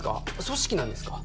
組織なんですか？